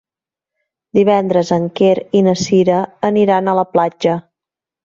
Divendres en Quer i na Cira aniran a la platja.